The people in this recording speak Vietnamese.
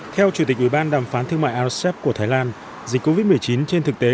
theo chủ tịch ủy ban đàm phán thương mại rcep của thái lan dịch covid một mươi chín trên thực tế